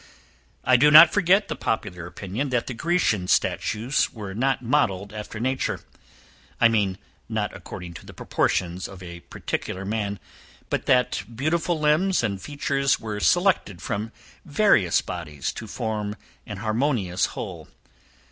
I do not forget the popular opinion, that the Grecian statues were not modelled after nature. I mean, not according to the proportions of a particular man; but that beautiful limbs and features were selected from various bodies to form an harmonious whole.